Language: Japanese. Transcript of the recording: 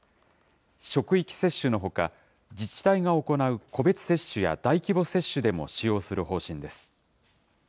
職域接種のほか、自治体が行う個別接種や大規模接種でも使用する方針です。